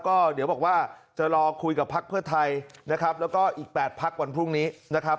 ก็เดี๋ยวบอกว่าจะรอคุยกับพักเพื่อไทยนะครับแล้วก็อีก๘พักวันพรุ่งนี้นะครับ